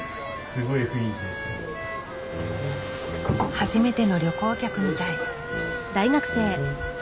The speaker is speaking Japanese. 初めての旅行客みたい。